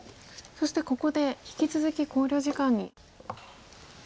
そしてここで引き続き考慮時間に。